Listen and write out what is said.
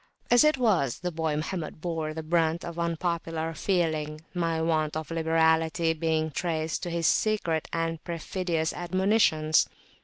As it was, the boy Mohammed bore the brunt of unpopular feeling, my want of liberality being traced to his secret and perfidious admonitions.